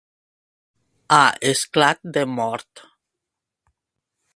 A esclat de mort.